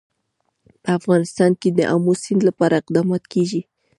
په افغانستان کې د آمو سیند لپاره اقدامات کېږي.